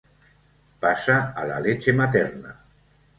Pasa a la leche materna.